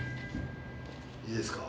いいですか？